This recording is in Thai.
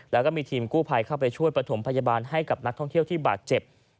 แล้วก็มีทีมกู้ภัยเข้าไปช่วยประถมพยาบาลให้กับนักท่องเที่ยวที่บาดเจ็บ